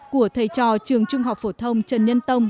của thầy trò trường trung học phổ thông trần nhân tông